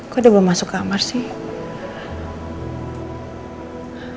kok dia belum masuk kamar sih